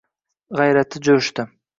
g‘ayrati jo‘shdi.